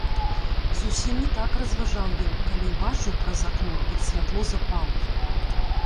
Зусім не так разважаў ён, калі ўбачыў праз акно, пад святло запалкі.